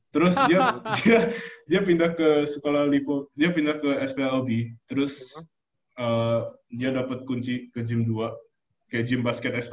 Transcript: terus dia pindah ke sph alvi terus dia dapet kunci ke gym dua kayak gym basket sph